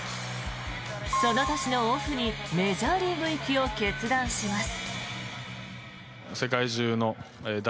その年のオフにメジャーリーグ行きを決断します。